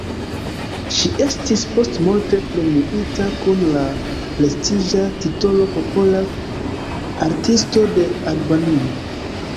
Ŝi estis postmorte premiita kun la prestiĝa titolo Popola Artisto de Albanio.